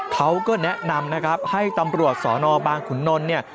เขาก็แนะนำนะครับให้ตำรวจสอนอบางขุนนลเนี่ย